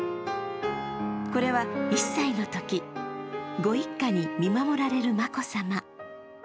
これは１歳のとき、ご一家に見守られる眞子さま。